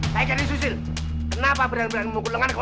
saya jadi susil kenapa berani berani memukul lengan kau